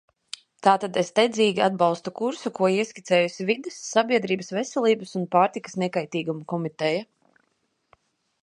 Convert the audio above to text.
Tātad es dedzīgi atbalstu kursu, ko ieskicējusi Vides, sabiedrības veselības un pārtikas nekaitīguma komiteja.